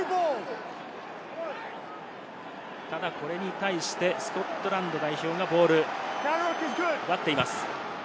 ただこれに対してスコットランド代表がボールを奪っています。